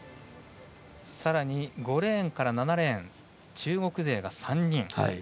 さらに５レーンから７レーン中国勢が３人。